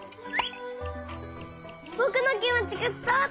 ぼくのきもちがつたわった！